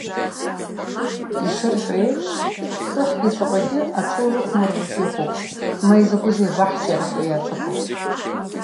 Ишырҳәо еиԥш, хыхьгьы ҵаҟагьы аҽы урхәмарыртә иҟоуп, ма изакәызеи абаҳчараҳәа иаҵаку.